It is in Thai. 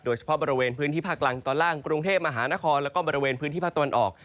โดยเฉพาะบริเวณพื้นที่ภาคกลางตอนล่างกรุงเทพมหานครแล้วก็บริเวณพื้นที่ภาคตะวันออก